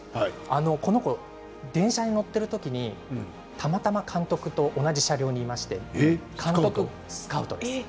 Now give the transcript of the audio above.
この子は電車に乗っている時にたまたま監督と同じ車両にいましてスカウトです。